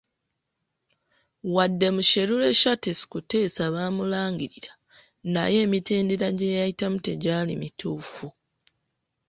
Wadde Musherure Shartis Kuteesa baamulangirira naye emitendera gye yayitamu tegyali mituufu.